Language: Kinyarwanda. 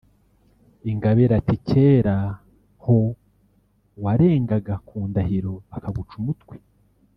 Ingabire ati ”Kera ho warengaga ku ndahiro bakaguca umutwe